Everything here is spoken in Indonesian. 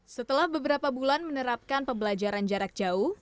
setelah beberapa bulan menerapkan pembelajaran jarak jauh